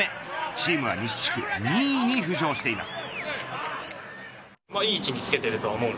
チームは西地区２位に浮上しています。